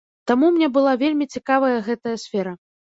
Таму мне была вельмі цікавая гэтая сфера.